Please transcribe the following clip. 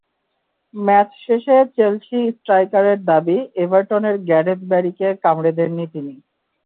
Match শেষে Chelsea স্ট্রাইকারের দাবি, এভারটনের গ্যারেথ ব্যারিকে কামড়ে দেননি তিনি।